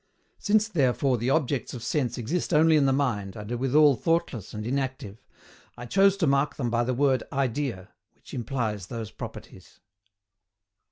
Since therefore the objects of sense exist only in the mind, and are withal thoughtless and inactive, I chose to mark them by the word IDEA, which implies those properties.